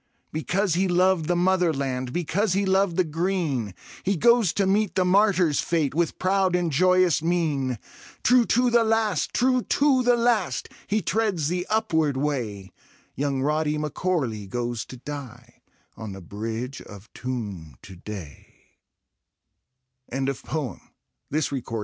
Because he loved the Motherlandi Because he loved the Greenj He goes to meet the mart)a 's fate With proud and joyous mien^ True to the last^ true to the last^ He treads the upward way — Young Rody M'Corley goes to die On the Bridge of Toome to day.